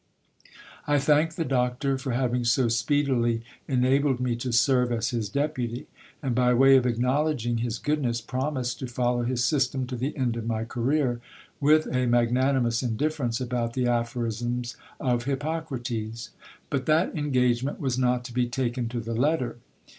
I thanked the doctor for having so speedily enabled me to serve as his deputy ; and, by way of acknowledging his goodness, promised to follow his system to the end of my career, with a magnanimous indifference about the aphorisms of Hippocrates. But that engagement was not to be taken to the letter.